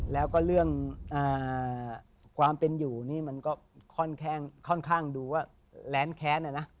แล้วก็เรื่องความเป็นอยู่นี่มันก็ค่อนข้างดูว่าแร้นแค้นนะนะ